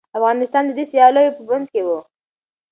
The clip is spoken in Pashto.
افغانستان د دې سیالیو په منځ کي و.